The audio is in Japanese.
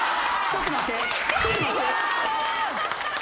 ちょっと待って。